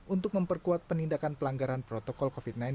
untuk memperkuat penindakan pelanggaran protokol covid sembilan belas